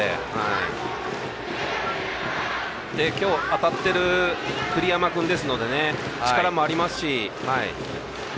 今日、当たっている栗山君ですから力もありますし。